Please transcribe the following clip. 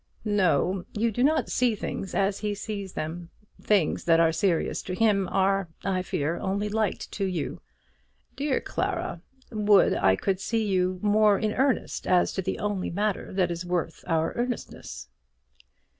"No; you do not see things as he sees them. Things that are serious to him are, I fear, only light to you. Dear Clara, would I could see you more in earnest as to the only matter that is worth our earnestness."